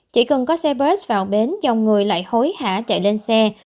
chỉ cần có xe bus vào bến dòng người lại hối hả chạy lên xe